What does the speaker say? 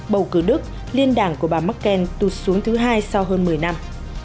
bầu cử đức liên đảng của bà merkel tụt xuống thứ hai sau hơn một mươi năm